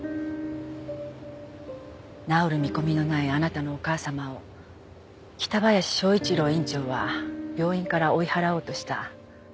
治る見込みのないあなたのお母様を北林昭一郎院長は病院から追い払おうとした。